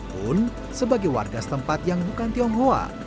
pun sebagai warga setempat yang bukan tionghoa